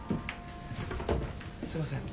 すいません